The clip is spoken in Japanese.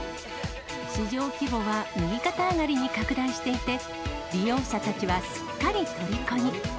市場規模は右肩上がりに拡大していて、利用者たちはすっかりとりこに。